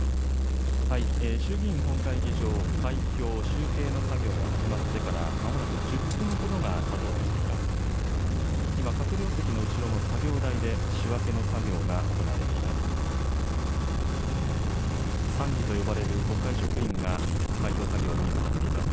衆議院本会議場、開票・集計の作業が始まってから、まもなく１０分ほどがたとうとしています。